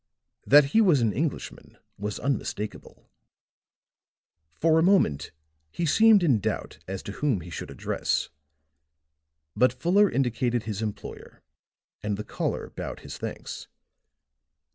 That he was an Englishman was unmistakable. For a moment he seemed in doubt as to whom he should address; but Fuller indicated his employer and the caller bowed his thanks.